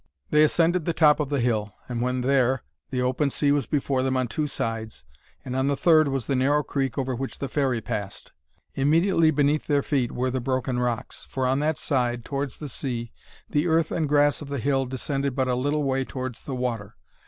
They ascended the top of the hill, and when there, the open sea was before them on two sides, and on the third was the narrow creek over which the ferry passed. Immediately beneath their feet were the broken rocks; for on that side, towards the sea, the earth and grass of the hill descended but a little way towards the water.